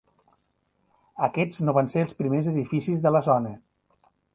Aquests no van ser els primers edificis de la zona.